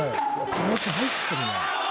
気持ち入ってるやん。